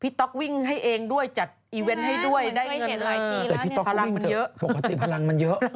พี่ต๊อกวิ่งให้เองด้วยจัดให้ด้วยได้ได้เงินล่ะนึก